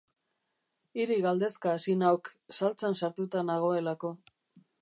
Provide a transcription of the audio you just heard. Hiri galdezka hasi nauk, saltsan sartuta nagoelako.